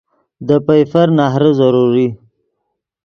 دے پئیفر نہرے ضروری